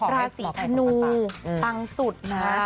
ราศีธนูปังสุดนะ